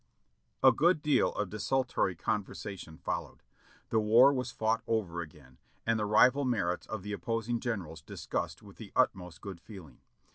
A good deal of desultory conversation followed. The war was fought over again, and the rival merits of the opposing generals discussed with the utmost good feeling.